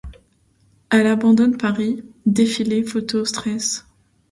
Elle abandonne Paris, défilés, photos, stress...